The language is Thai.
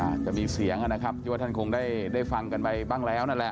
อาจจะมีเสียงนะครับที่ว่าท่านคงได้ฟังกันไปบ้างแล้วนั่นแหละ